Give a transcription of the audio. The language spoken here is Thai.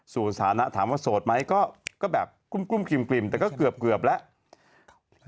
สถานะถามว่าโสดไหมก็แบบกลุ้มกลิ่มแต่ก็เกือบแล้ว